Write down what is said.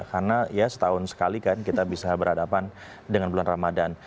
karena ya setahun sekali kan kita bisa berhadapan dengan bulan ramadan